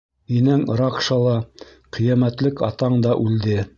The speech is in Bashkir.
Инәң Ракша ла, ҡиәмәтлек Атаң да үлде.